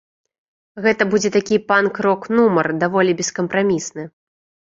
Гэта будзе такі панк-рок-нумар, даволі бескампрамісны.